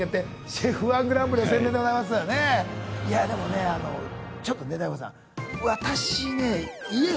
ＣＨＥＦ−１グランプリの宣伝でございやでもねちょっとねＤＡＩＧＯさん